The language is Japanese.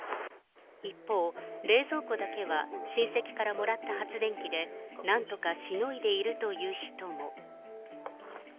一方、冷蔵庫だけは親戚からもらった発電機でなんとかしのいでいるという人も。